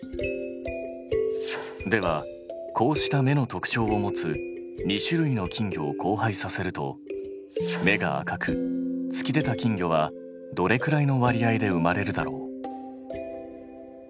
ではこうした目の特徴を持つ２種類の金魚を交配させると目が赤く突き出た金魚はどれくらいの割合で生まれるだろう？